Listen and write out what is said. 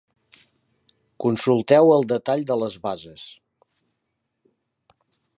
Consulteu el detall de les bases.